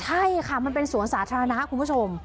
ใช่ค่ะมันเป็นสวนสาธารณะคุณผู้ชม